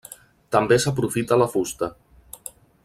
També s'aprofita la fusta.